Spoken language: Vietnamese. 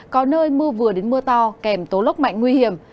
có nơi mưa vừa đến mưa to kèm tố lốc mạnh nguy hiểm